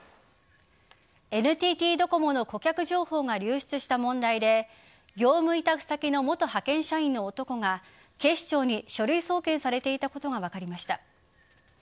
ＮＴＴドコモの顧客情報が流出した問題で業務委託先の元派遣社員の男が警視庁に書類送検されていたことが分かりました。